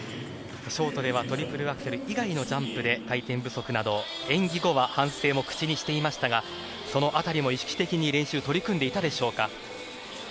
ショートではトリプルアクセル以外のジャンプで回転不足などで、演技後は反省も口にしていましたがその辺りも意識的に練習取り組んでいたでしょうか。